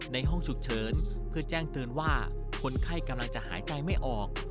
ในห้องฉุกเฉินเพื่อแจ้งเตือนว่าคนไข้กำลังจะหายใจไม่ออก